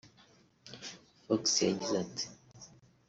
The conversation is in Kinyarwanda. Fox yagize ati